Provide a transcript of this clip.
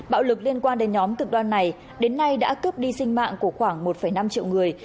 bạo lực liên quan đến nhóm cực đoan này đến nay đã cướp đi sinh mạng của khoảng một năm triệu người